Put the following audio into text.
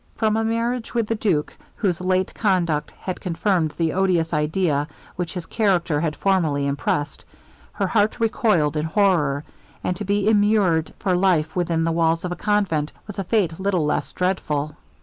From a marriage with the duke, whose late conduct had confirmed the odious idea which his character had formerly impressed, her heart recoiled in horror, and to be immured for life within the walls of a convent, was a fate little less dreadful.